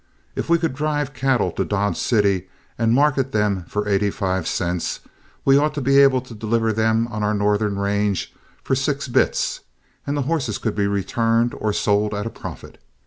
If we could drive cattle to Dodge City and market them for eighty five cents, we ought to be able to deliver them on our northern range for six bits, and the horses could be returned or sold at a profit.